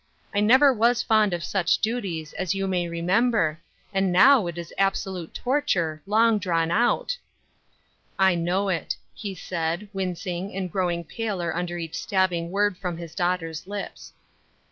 I never was fond of such duties, as you may remember, and now it is absolute torture, long drawn out." " I know it," he said, wincing, and growing paler under each stabbing word from his daugh ter's lips.